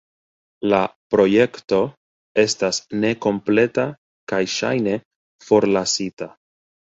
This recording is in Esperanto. La projekto estas nekompleta kaj ŝajne forlasita.